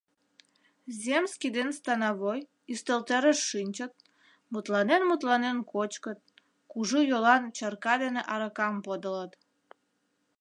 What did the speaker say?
Земский ден становой ӱстелтӧрыш шинчыт, мутланен-мутланен кочкыт, кужу йолан чарка дене аракам подылыт.